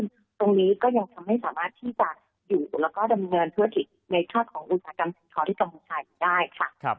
ตรงนี้ก็ยังทำให้สามารถที่จะอยู่แล้วก็ดำเนินเทือติดในค่าของลูกศาสตร์กรรมสันตร์ที่กัมพูชาอยู่ได้ค่ะ